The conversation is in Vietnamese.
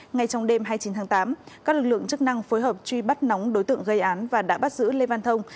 ngay trong đêm hai mươi chín tháng tám các lực lượng chức năng phối hợp truy bắt nóng đối tượng gây án và đã bắt giữ lê văn thông